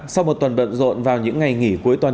sau một tuần bận rộn vào những ngày nghỉ cuối tuần